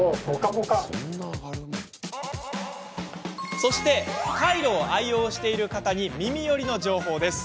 そして、カイロを愛用している方に耳より情報。